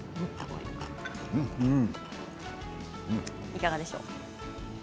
いかがでしょう？